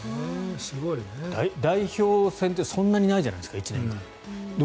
代表戦ってそんなにないじゃないですか１年間で。